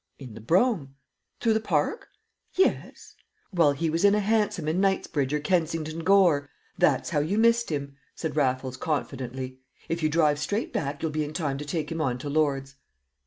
"In the brougham." "Through the Park?" "Yes." "While he was in a hansom in Knightsbridge or Kensington Gore! That's how you missed him," said Raffles confidently. "If you drive straight back you'll be in time to take him on to Lord's."